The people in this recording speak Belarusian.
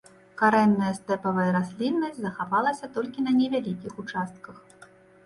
Карэнная стэпавая расліннасць захавалася толькі на невялікіх участках.